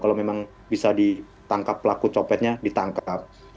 kalau memang bisa ditangkap pelaku copetnya ditangkap